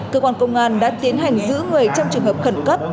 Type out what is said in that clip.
cơ quan công an đã tiến hành giữ người trong trường hợp khẩn cấp